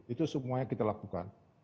itu semuanya kita lakukan